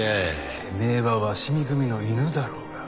てめえは鷲見組の犬だろうが。